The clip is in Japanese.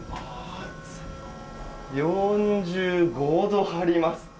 ４５度あります！